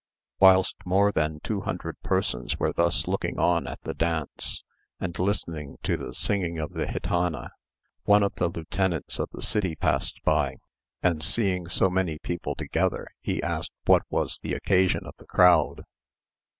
Whilst more than two hundred persons were thus looking on at the dance, and listening to the singing of the gitana, one of the lieutenants of the city passed by; and seeing so many people together, he asked what was the occasion of the crowd.